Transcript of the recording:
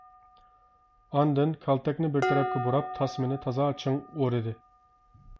ئاندىن كالتەكنى بىر تەرەپكە بۇراپ، تاسمىنى تازا چىڭ ئورىدى.